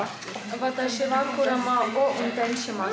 私は車を運転します。